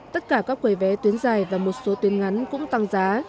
tất cả các quầy vé tuyến dài và một số tuyến ngắn cũng tăng giá